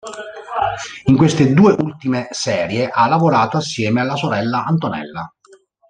In queste due ultime serie ha lavorato assieme alla sorella Antonella.